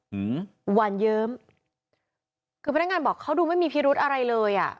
หื้มหวั่นเยิ้มก็แปลงงานบอกเขาดูไม่มีพยุตรอะไรเลยอ่ะ